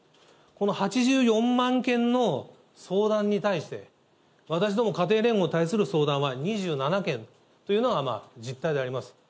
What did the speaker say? この８４万件の相談に対して、私ども、家庭連合に対する相談は２７件というのが実態であります。